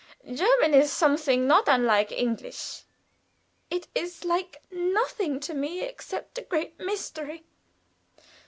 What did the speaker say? "German is sometimes not unlike English." "It is like nothing to me, except a great mystery."